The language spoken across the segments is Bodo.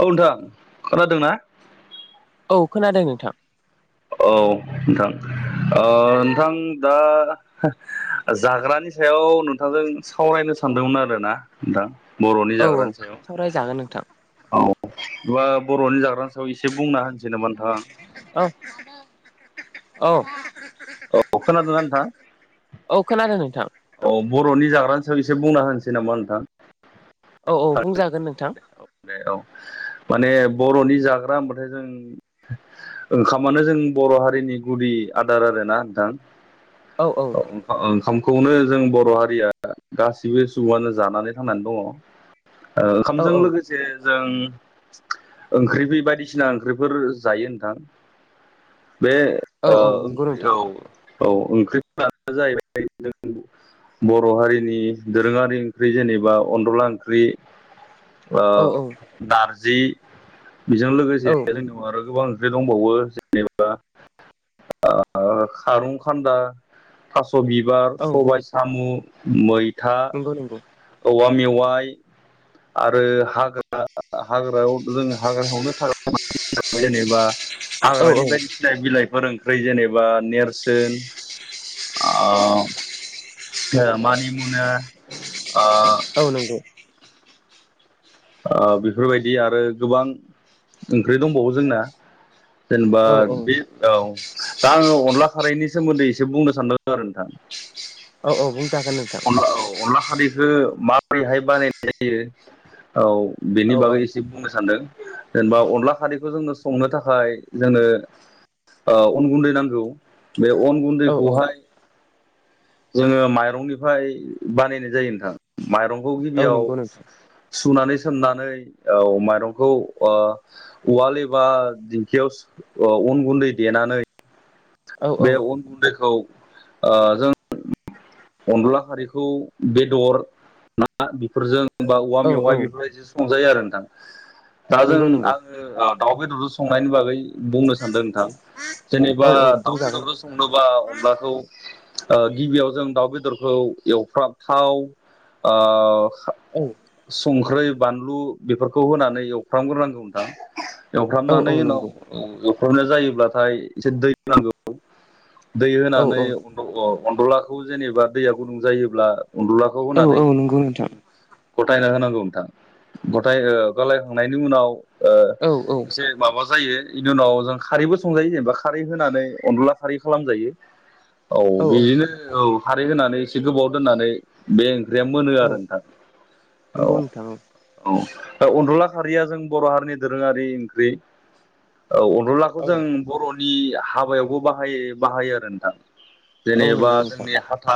औ नोंथां खोनादोंना? औ खोनादों नोंथां। औ नोंथां नोंथां दा जाग्रानि सायाव औ नोंथांजों सावरायनो सानदोंमोन आरोना नोंथां। बर'नि औ औ जाग्रानि सायाव सावरायजागोन नोंथां औ। बर'नि जाग्रानि सायाव एसे बुंना होनोसै नामा नोंथां आं? औ औ औ खोनादोंना नोंथां औ खोनादों नोंथां औ बर'नि जाग्रानि सायाव एसे बुंना होनोसै नामा नोंथां। औ दे औ माने। बर'नि जाग्रा होनबाथाय जों ओंखामानो जों बर' हारिनि गुदि आदार आरो। ना नोंथां औ औ ओंखाम। खौनो जों बर' हारिया गासिबो सुबुङानो जानानै थांनानै दङ। औ ओंखामजों लोगोसे जों ओंख्रि बायदिसिना ओंख्रिफोर जायो नोंथां। बे औ औ नंगौ ओंख्रि नोंथां औ औ ओंख्रिफ्रानो जाहैबाय जों बर' हारिनि दोरोङारि ओंख्रि जेनेबा अनदला ओंख्रि। औ औ नारजि बेजों औ लोगोसे जोंनियाव आरो गोबां दंबावो जेनेबा खारंखान्दा था थास'बिबार औ सबाइ साम' मैथा नंगौ नंगौ औवा मेवाइ आरो हाग्रा हाग्रायाव जों हाग्रायावनो औ औ [unintelligible] ओमफ्राय जेनेबा नेरसोन ओ मानि मुनो। औ नंगौ। ओ बेफोरबायदि आरो गोबां ओंख्रि दंबावो जोंना। जेनेबा औ बे औ दा आङो अनला खारैनि सोमोन्दै एसे बुंनो सानदों आरो नोंथां। औ-औ बु अन औ अनला खारैखौ माबोरैहाय बानायनाय जायो औ। बेनि औ बागै एसे बुंनो सानदों जेनेबा अनला खारैखौ जोंनो संनो थाखाय जोंनो ओ अन गुन्दै नांगौ बे अन औ गुन्दैखौहाय जोङो माइरंनिफ्राय बानायनाय जायो नोंथां माइरंखौ औ गिबियाव नंगौ नोंथां सुनानै सोमनानै औ माइरंखौ उवाल एबा दिंखियाव औ अन गुन्दै देनानै औ औ बे अन गुन्दैखौ जों अनला खारिखौ बेदर ना बेफोरजों औवा औ मेवाइ बेफोरबायदि संजायो आरो नोंथां दा जों नंगौ नंगौ आङो दाउ बेदरजों संनायनि बागै बुंनो सानदों नोंथां औ जेनेबा औ दाउ बुंजागोन बेदरजों संनोबा अनलाखौ ओ गिबियाव जों दाउ बेदरखौ एवफ्रामथाव औ संख्रै बानलु बेफोरखौ होनानै एवफ्रामग्रोनांगौ नोंथां। औ औ एवफ्रामनानै उनाव नंगौ एवफ्रामनाय जायोब्लाथाय एसे दै नांगौ दै औ होनानै अनलाखौ जेनेबा दैया गुदुं जायोब्ला अनदलाखौ औ होनानै औ नंगौ नोंथां गथायना होनांगौ नोंथां गथाय गलायखांनायनि उनाव औ एसे माबा जायो इनि उनाव जों खारैबो संजायो जेनेबा खारै होनानै अनला खारै खालामजायो औ बिदिनो औ खारै होनानै एसे गोबाव दोननानै बे जे मोनो आरो नोंथां औ नंगौ नोंथां औ दा अनला खारिया जों बर' हारिनि दोरोङारि ओंख्रि अनलाखौ औ जों बर'नि हाबायावबो बाहायो-बाहायो आरो नोंथां औ जेनेबा नंगौ नोंथां जोंनि हा हाथा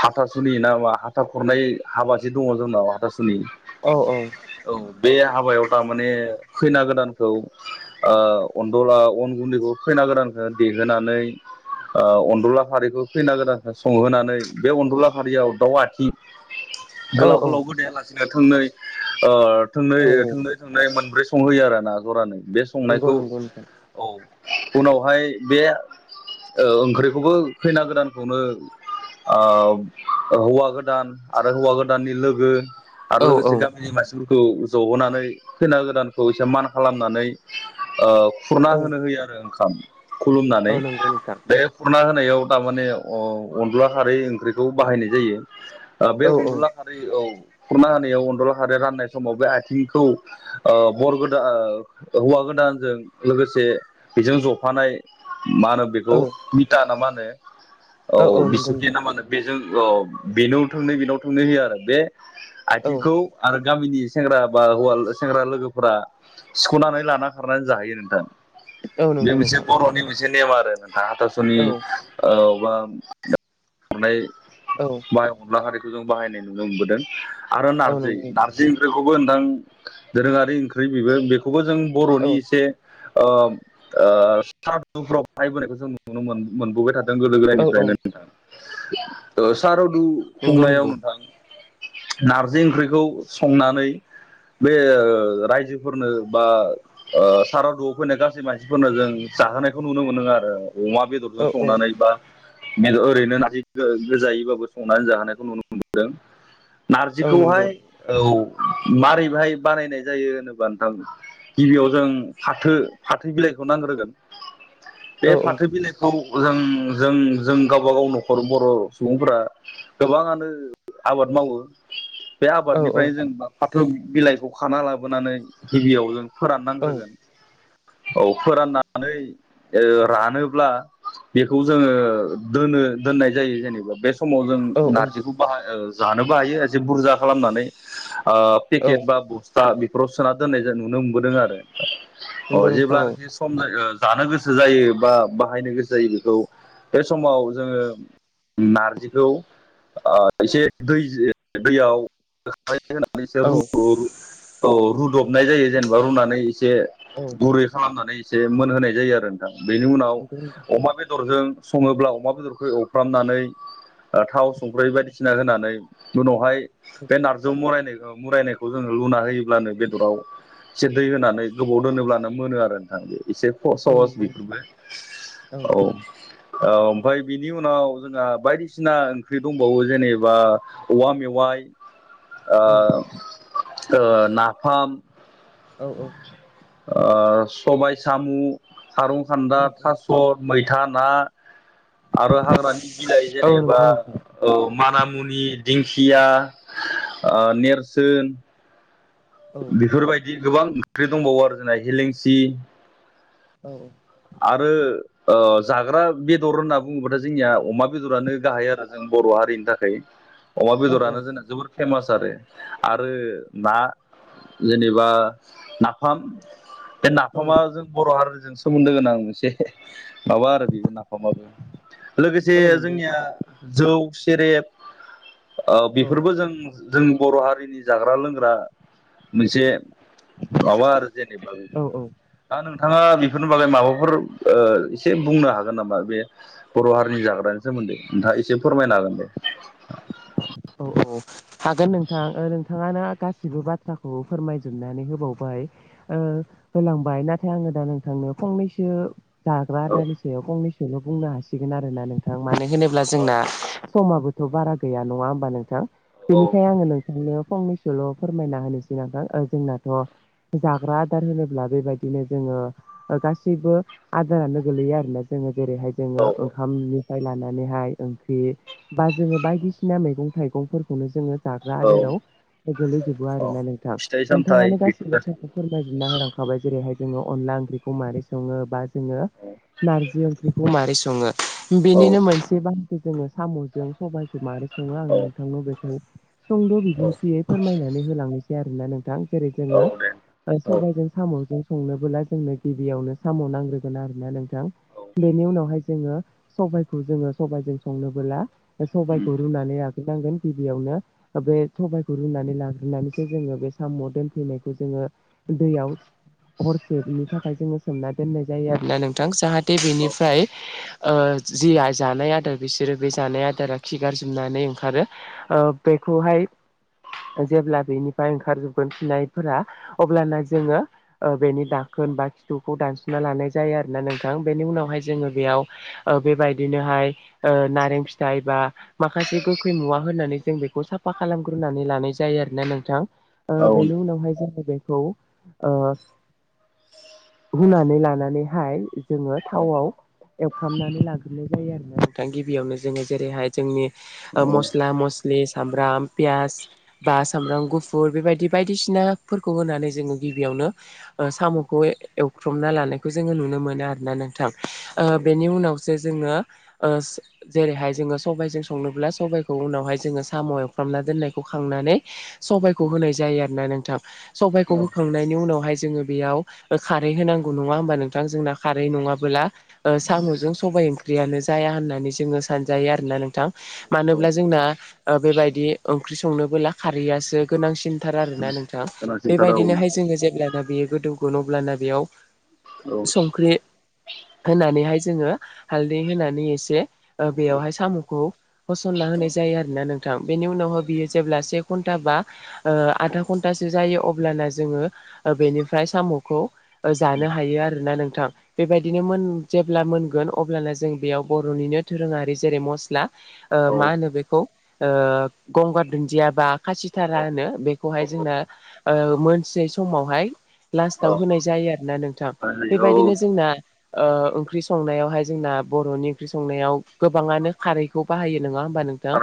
हाथासुनि ना मा हाथा खुरनाय हाबा जे दङ जोंनाव औ बे हाबायाव थारमाने खैना गोदानखौ अनला अन गुन्दैखौ खैना गोदानखौ ओ देहोनानै ओ अनला खारिखौ खैना गोदान संहोनानै बे अनला खारियाव दाउ आथिं औ गोलाव गोलावबो औ गोदायालासे थोंनै थोंनै ओ औ थोंनै थोंनै मोनब्रै संहैयो आरोना जरानै बे नंगौ संनायखौ नंगौ नोंथां औ उनावहाय बे ओंख्रिखौबो खैना गोदानखौनो हौवा गोदान आरो हौवा गोदाननि लोगो आरो औ औ लोगोसे गामिनि मानसिफोरखौ खौ जहोनानै खैना गोदानखौ एसे मान खालामनानै खुरना औ होनो होयो आरो ओंखाम औ खुलुमनानै नंगौ नोंथां बे खुरना हो होनायाव थारमाने अनला खारै ओंख्रिखौ बाहायनाय जायो ओ बे औ औ अनदुला खारै औ खुरना होनायाव अन्दला खारै राननाय समाव बे आथिंखौ ओ बर गोदा ओ हौवा गोद दानजों लोगोसे बेजों जफानाय मा होनो बेखौ औ मिता ना मा होनो औ बिसुखि ना मा होनो बे जों औ बेनाव थोंनै बेनाव थोंनै होयो आरो बे औ आथिंखौ आरो गामिनि सेंग्रा बा हौवा सेंग्रा लोगोफोरा सिख'नानै लाना खारनानै जाहैयो नोंथां। औ बे नंगौ मोनसे नोंथां बर'नि मोनसे नेम आरो नोंथाङा हाथास'नि औ औ बा हरनाय औ माइ अनला खारिखौ जों बाहायनाय नुनो मोनबोदों आरो औ नारजि नंगौ नोंथां नारजि ओंख्रिखौबो नोंथां दोरोङारि ओंख्रि बेबो बे खौबो जों औ बर'नि एसे ओ ओ सारुफ्राव बाहायबोनायखौ जों नुनो मोन मोनबोबाय थाद दों गोदो औ औ गोदायनिफ्रायनो नोंथां ओ सार अदु नंगौ खुंनायाव नंगौ नोंथां नारजि ओंख्रिखौ संनानै बे ओ रायजोफोरनो बा ओ सारादुआव फैनाय गासै मानसिफोरनो जों जाहोनायखौ नुनो मोनो आरो अमा बेदरजों औ औ संनानै बा बेदर ओरैनो ओ नारजि गो-गोजायैबाबो संनानै जाहोनायखौ नुनो मोनदों। औ नारजिखौहाय नंगौ औ मारैहाय बानायनाय जायो होनोबा नोंथां गिबियाव जों फाथो फाथो बिलाइखौ नांग्रोगोन । बे औ फाथो बिलाइखौ जों जों जों गावबा गाव न'ख खर' बर' सुबुंफोरा गोबाङानो आबाद मावो। बे औ आबादनिफ्रायनो जों फा-फाथो बिलाइखौ खाना लाबोनानै गिबियाव जों औ फोराननांग्रोगोन, औ फोराननानै ओ रानोब्ला बेखौ जोङो दोनो दोननाय जायो जेनेबा बे स समाव जों औ नारजिखौ बाहा जानोबो हायो एसे बुरजा खालामनानै ओ औ पेकेट बा बस्था बेफोराव सोना दोननाय जों नुनो मोनबोदों आरो। अ नंगौ नोंथां जेब्लानाखि औ सम जायो जानो गोसो जायो बा बाहायनो गोसो जायो बेखौ बे समाव जोङो नारजिखौ ओ एसे दै दैयाव [unintelligible] होनानै एसे औ रु [unintelligible] औ रुदबनाय जायो जेनेबा रुनानै ए से औ गुरै खालामनानै एसे मोनहोनाय जायो आरो नोंथां। बेनि उनाव नंगौ अमा बेदरजों सङोब्ला अमा बेदरखौ एव फ्रामनानै ओ थाव संख्रै बायदिसिना होनानै उनावहाय बे नारजौ मरायनायखो मुरायनायखौ जोङो लुना होयोब्लानो बेदराव एसे दै होनानै गोबाव दोनोब्लानो मोनो आरो नोंथां। एसे औ ख-सहस नंगौ बेफोरबो औ औ ओमफाय बिनि उन उनाव जोंहा बायदिसिना ओंख्रि दंबावो जेनेबा औवा मेवाय ओ ओ नाफाम औ औ। ओ सबाय, सामु, खारौ खान्दा, थास', मैथा, ना आरो हाग्रानि बिलाइ जेनेबा औ माना मुनि, दिंखिया, ओ नेरसोन बेफोरबायदि गोबां ओंख्रि दंबावो आरोना हेलेंसि आरो ओ जाग्रा बेदर होनना बुङोबाथाय जोंनिया अमा बेदरानो गाहाइ आरो जों बर' हारिनि थाखाय अमा बेदरानो जोंना जोबोद फेमास आरो, आरो ना जेनेबा नाफाम बे नाफामा जों बर' हारिजों सोमोन्दो गोनां मोनसे माबा आरो बेबो नाफामाबो लोगोसे नंगौ जोंनिया जौ सेरेब ओ बेफोरबो औ जों जों बर' हारिनि जाग्रा लोंग्रा मोनसे माबा आरो जेनेबा औ औ दा नों थाङा बेफोरनि बागै माबा फोर ओ एसे बुंनो हागोन नामा? बे बर' हारिनि जाग्रानि सोमोन्दै नोंथाङा एसे फोरमायना जागोन दे। ओ। औ हागोन नोंथां ओ नोंथाङानो गासिबो बाथ्राखौ फोरमायजोबनानै होबावबाय ओ होलांबाय नाथाय आङो दा नोंथांनो फंनैसो जाग्रा औ आदारानि सायाव फंनैसल' बुंनो हासिगोन आरो ना नोंथां मानो होनोब्ला औ जोंना समाबोथ' बारा गैया नङा होमबा नोंथां। बेनिखाय आङो नोंथांनो फंनैसोल' फोरमायना होनोसै नोंथां आं जोंनाथ' जाग्रा आदार होनोब्ला बेबायदिनो जोङो ओ गासैबो आदारानो गोलैयो आरोना जोङो जेरैहाय औ जोङो ओंखामनिफ्राय लानानैहाय ओंख्रि बा जोङो बायदिसि सिना मैगं थाइगंफोरखौनो जोङो जाग्रा औ आदाराव गोलैजोबो औ आरोना नोंथां। फिथाइ सामथाइ नोंथाङानो गासै बेफोर गासैबो बाथ्राखौ फोरमायजोबना होलां खाबाय जेरैहाय जोङो अनला ओंख्रिखौ मारै सङो बा जोङो नारजि ओंख्रिखौ मारै सङो सङो, औ बेनिनो मोनसे बाहा [unintelligible] जोङो समजों सबाइखौ मारै सङो आं औ नोंथांनाव बेखौ सुंद' औ बिबुंथियै फोरमायनानै होलांनोसै आरो ना नोंथां। जेरै औ जोङो औ दे ओ औ सबायजों साम'जों संनोबोला जोंनो गिबियावनो साम' नांग्रोगोन आरो ना नोंथां। औ बेनि उनावहाय जोङो सबायखौ जोङो सबायजों संनोबोला सबायखौ रुनानै लाग्रोनांगोन गिबियावनो। बे सबायखौ रुनानै लाग्रोनानैसो जोङो बे साम' दोनफैनायखौ जोङो दैयाव हरसेनि थाखाय जोङो सोमना दोननाय जायो आरो ना नोंथां। जाहाथे औ बेनिफ्राय ओ जि जानाय आदार बिसोरो बे जानाय आदारा खि गारजोबनानै ओंखारो ओ बेखौहाय जेब्ला बेनिफ्राय ओंखारजोबगोन फिननायफोरा अब्लाना जोङो ओ बेनि दाखो ओनबा खिथुखौ दानस'ना लानाय जायो आरो ना नोंथां। बेनि उनावहाय जोङो बेयाव ओ बेबायदिनोहा [unintelligible] ओ नारें फिथाइ बा माखासे गोखै मुवा होनानै जों बेखौ साफा खालामग्रोनानै लानाय जायो आरो ना नोंथां। ओ औ औ बेनि उनावहाय जोङो बेखौ ओ हुनानै लानानैहाय जोङो थावआव एवफ्रामनानै लाग्रोनाय जायो आरो ना नोंथां गिबियावनो जोङो जेरैहाय जोंनि ओ मस्ला मस्लि सामब्राम पियास बा सामब्राम गुफुर बेबायदि बायदिसि नाफोरखौ होनानै जोङो गिबियावनो ओ साम'खौ एवफ्र्मना लानायखौ जोङो नुनो मोनो आ रो ना नोंथां। ओ बेनि उनावसो जोङो ओस जेरैहाय जोङो सबायजों संनोब्ला सबायखौ उनावहाय जोङो साम' एवफ्रामना दोननायखौ खांनानै सबायखौ होनाय जायो आरो ना नोंथां‌। सबायखौ होखांनायनि उनावहाय जोङो बेयाव खारै होनांगौ नङा होनबा नोंथां। जोंना खारै नङाबोला ओ साम'जों सबाय [unintelligible] ओंख्रियानो जाया होननानै जोङो सानजायो आरो ना नोंथां। मानोब्ला जोंना ओ बेबायदि ओंख्रि संनोबोला खारैयासो गोनांसिनथार आरो ना नों थां। गोनांसिनथार औ बेबायदिनोहाय जोङो जेब्लाना बेयो गोदौगोन अब्लाना बेयाव संख्रि होनानैहाय जोङो हालदै होनानै एसे ओ बेयावहाय साम'खौ होसनना होनाय जायो आरो ना नोंथां। बेनि उनावहा बियो जेब्ला से घन्टा बा ओ आधा घन्टा सो जायो अब्लाना जोङो ओ बेनिफ्राय साम'खौ ओ जानो हायो आरो ना नोंथां। बेबायदिनो मोन जेब्ला मोनगोन अब्लाना जों बेयाव बर'निनो धोरोङारि जेरै मस्ला ओ मा होनो बेखौ ओ गंगार दुन्दिया बा खासिथारा औ होनो। बेखौहाय जोंना ओ मोनसेै समावहाय लास्टाव औ होनाय जायो आरो ना नोंथां। औ बेबायदिनो जोंना ओ ओंख्रि संनायावहाय जोंना बर'नि ओंख्रि संनायाव गोबाङानो खारै खौ बाहायो नङा होमबा नोंथां।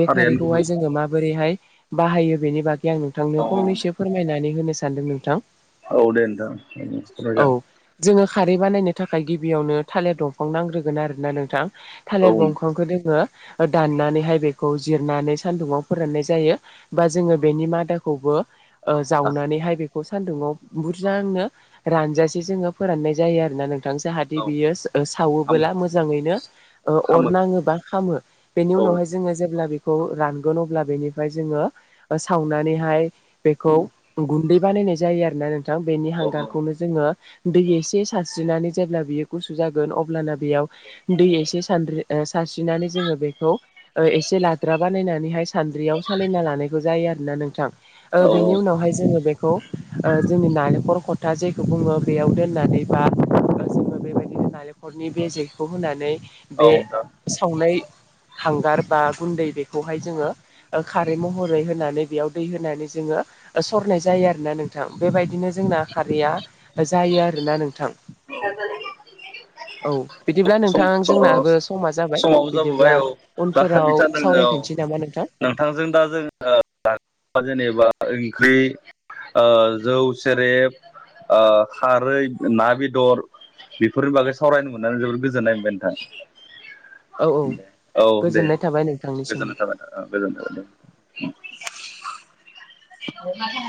बे खारैआनो गुबै खारैखौहाय औ जोङो माबोरैहाय बाहायो बेनि बागै आं नोंथांनो औ दे फंनैसो फोरमायनानै होनो सानदों नोंथां। औ दे नोंथां [unintelligible] औ मोजां। जोङो खारै बानायनो थाखाय गिबियावनो थालिर दंफां नांग्रोगोन आरो ना नोंथां‌। थालिर औ बफांखो [unintelligible] ओ दाननानैहाय बेखौ जिरनानै सान्दुंआव फोराननाय जायो बा जोङो बेनि मादा खौबो ओ नोंथां जावनानैहाय बेखौ सान्दुङाव बुरजांनो रानजासे जोङो फोरान नाय जायो आरो ना नोंथां। जाहाथे औ बियो ओ खामो सावोबोला मोजाङैनो ओ अर खामो नाङोबा खामो। बेनि औ उनावहाय जोङो जेब्ला बेखौ रानगोन अब्ला बेनिफाय जोङो ओ सावनानै हाय बेखौ गुन्दै बानायनाय जायो आरो ना नोंथां। बेनि औ हांगारखौनो जोङो दै ए से सानस्रिनानै जेब्ला बियो गुसु जागोन अब्ला ना बेयाव दै एसे सानद्रि ओ सारस नानै जोङो बेखौ ओ एसे लाद्रा बानायनानैहाय सानद्रियाव सालिना लानायखौ जायो आरो ना नों थां ओ औ बेनि उनावहाय जोङो बेखौ ओ जोंनि नालेंखर खथा जेखौ बुङो बेयाव दोन नानै बा [inaudible] बेबायदिनो नालेखरनि बेजेखौ होनानै औ बे नोंथां। सावनाय। हांगार बा गुन्दै बेखौहाय जोङो खारै महरै होनानै बेयाव दै होनानै जोङो । सरनाय जायो आरोना नोंथां बेबायदिनो जोंना खारैया जायो आरोना नोंथां [inaudible] औ बिदिब्ला नोंथां जोंनाबो समा जा समावबो जाबोबाय औ दा बिथां औ सावरायफिनसै नामा नोंथां नोंथांजों दा जों जेनेबा ओंख्रि जौ सेरेब खारै, ना, बेदर बेफोरनि बागै सावरायनो मोननानै जोबोर गोजोननाय मोनबाय नोंथां। औ औ औ दे गोजोननाय थाबाय नोंथांनिसिमबो गोजोननाय थाबाय औ गोजोन्थों दे। औ [inaudible]